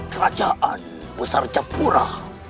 kerajaan besar capura